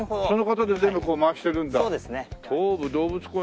その方で全部回してるんだ。